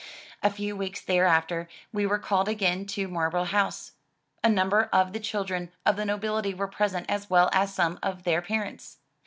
A few weeks thereafter we were called again to Marlborough House. A number of the children of the nobility were present as well as some of their parents.